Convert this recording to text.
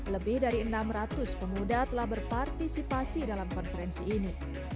lebih dari enam ratus pemuda telah berpartisipasi dalam konferensi ini